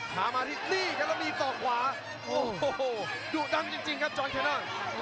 ถามมาที่นี่ก็ต้องตีต่อขวาโอ้โหดุดันจริงครับจอนแคนนอน